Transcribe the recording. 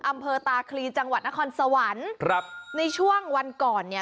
อำเภอตาคลีจังหวัดนครสวรรค์ครับในช่วงวันก่อนเนี่ย